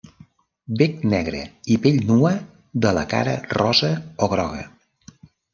Bec negre i pell nua de la cara rosa o groga.